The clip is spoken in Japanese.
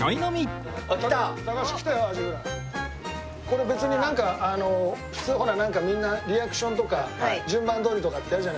これ別になんか普通ほらみんなリアクションとか順番どおりとかってやるじゃないですか。